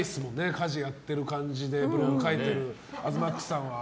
家事やってる感じでブログ書いている東ＭＡＸさんは。